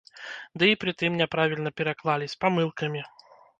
Ды і пры тым няправільна пераклалі, з памылкамі.